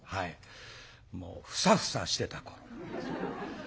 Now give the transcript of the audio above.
もうフサフサしてた頃。